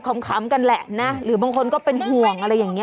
คำกันแหละนะหรือบางคนก็เป็นห่วงอะไรอย่างนี้